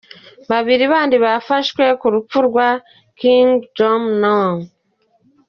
Babiri bandi bafashwe ku rupfu rwa Kim Jong-nam.